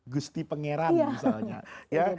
gusti pengeran misalnya